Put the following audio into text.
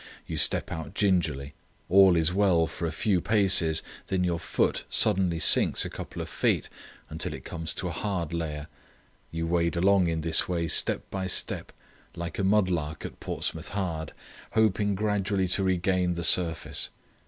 You step out gingerly. All is well for a few paces, then your foot suddenly sinks a couple of feet until it comes to a hard layer. You wade along in this way step by step, like a mudlark at Portsmouth Hard, hoping gradually to regain the surface.